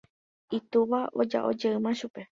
Itúva oja'ojeýma chupe.